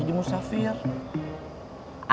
antum berdua sangsi sama ana